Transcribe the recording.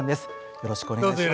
よろしくお願いします。